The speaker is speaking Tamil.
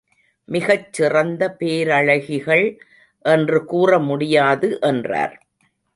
மிகச் சிறந்த பேரழகிகள் என்று கூறமுடியாது என்றார்.